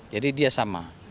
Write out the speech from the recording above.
jadi dia sama